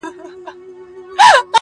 اوس به څنګه نكلچي غاړه تازه كي٫